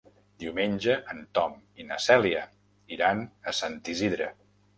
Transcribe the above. Diumenge en Tom i na Cèlia iran a Sant Isidre.